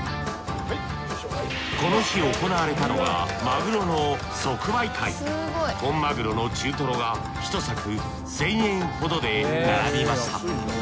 この日行われたのが本マグロの中トロが１サク１，０００円ほどで並びました。